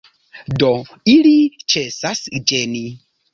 Do ili ĉesas ĝeni.